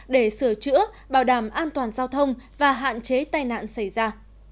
để sửa chữa bảo đảm an toàn giao thông và hạn chế tai nạn xảy ra